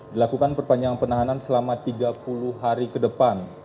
dilakukan perpanjangan penahanan selama tiga puluh hari ke depan